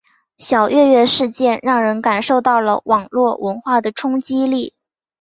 小月月事件让人感受到了网络文化的冲击力。